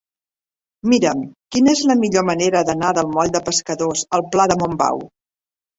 Mira'm quina és la millor manera d'anar del moll de Pescadors al pla de Montbau.